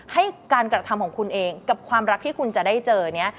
ให้การกระทำของคุณเองกับความรักที่คุณจะได้เจอเนี่ย